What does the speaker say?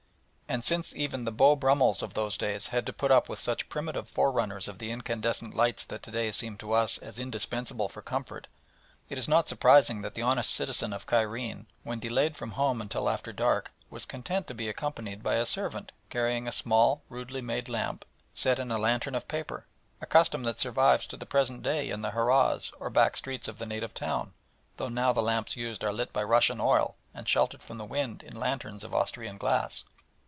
And since even the Beau Brummels of those days had to put up with such primitive forerunners of the incandescent lights that to day seem to us as indispensable for comfort, it is not surprising that the honest citizen of Cairo, when delayed from home until after dark, was content to be accompanied by a servant carrying a small, rudely made lamp set in a lantern of paper a custom that survives to the present day in the harahs, or back streets of the native town, though now the lamps used are lit by Russian oil and sheltered from the wind in lanterns of Austrian glass.